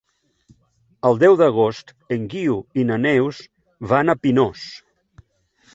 El deu d'agost en Guiu i na Neus van a Pinós.